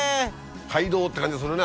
街道って感じがするね